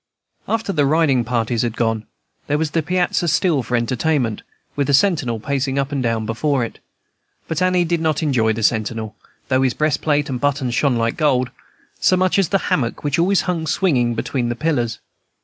After the riding parties had gone, there was the piazza still for entertainment, with a sentinel pacing up and down before it; but Annie did not enjoy the sentinel, though his breastplate and buttons shone like gold, so much as the hammock which always hung swinging between the pillars.